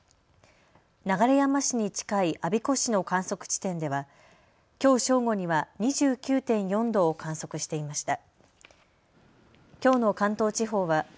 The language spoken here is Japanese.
流山市に近い我孫子市の観測地点ではきょう正午には２９．４度を観測していました。